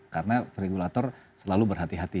karena regulator selalu berhati hati paling penting